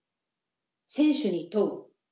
「選手に問う」。